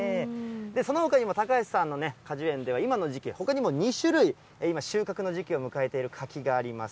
そのほかにも、高橋さんの果樹園では今の時期、ほかにも２種類、今、収穫の時期を迎えている柿があります。